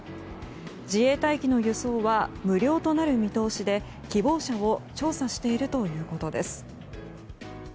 自衛隊機の輸送は無料となる見通しで希望者を調査しているということです。